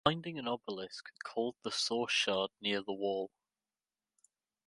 Finding an obelisk called The Source Shard near the wall.